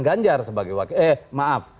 ganjar sebagai wakil eh maaf